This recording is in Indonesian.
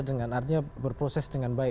dengan artinya berproses dengan baik